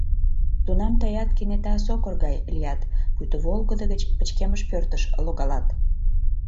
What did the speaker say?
Тунам тыят кенета сокыр гай лият, пуйто волгыдо гыч пычкемыш пӧртыш логалат.